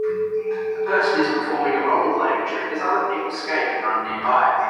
A person is performing a rollerblading trick as other people skate and run nearby.